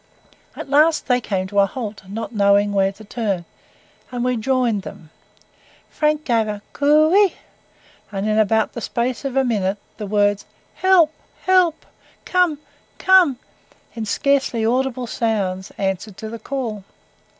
At last they came to a halt, not knowing where to turn, and we joined them. Frank gave a "coo ey," and in about the space of a minute the words "help, help, come, come," in scarcely, audible sounds, answered to the call.